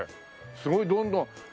すごいどんどん。